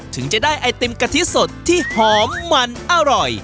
ถึงจะได้ไอติมกะทิสดที่หอมมันอร่อย